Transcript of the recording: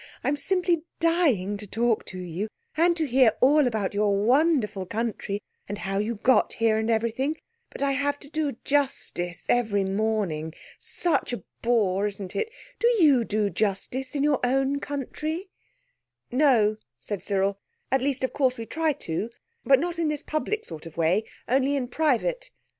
"I'm simply dying to talk to you, and to hear all about your wonderful country and how you got here, and everything, but I have to do justice every morning. Such a bore, isn't it? Do you do justice in your own country?" "No," said Cyril; "at least of course we try to, but not in this public sort of way, only in private."